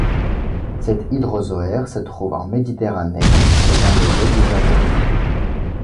Cet hydrozoaire se retrouve en Méditerranée et dans les eaux du Japon.